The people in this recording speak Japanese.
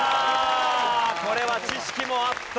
これは知識もあった！